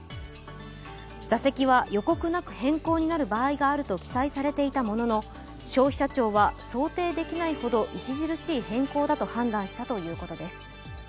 座席は予告なく変更になる場合があると記載されていたものの、消費者庁は想定できないほど著しい変更だと判断したということです。